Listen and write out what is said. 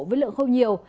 với lượng không nhiều